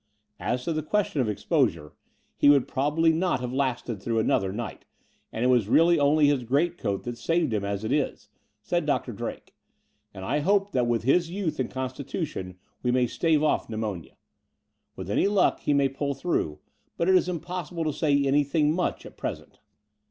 "As to tiie question of exposure, he would The Brighton Road 73 probably not have lasted through another night, and it was really only his greatcoat that saved him, as it is,'' said Dr. Drake: "and I hope that with his youth and constitution we may stave off pneumonia. With any luck he may pull through; but it is impossible to say anything much at present."